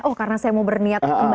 oh karena saya mau berniat